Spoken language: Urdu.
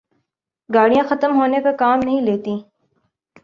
گاڑیاں ختم ہونے کا نام نہیں لیتیں۔